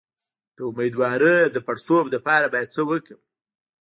د امیدوارۍ د پړسوب لپاره باید څه وکړم؟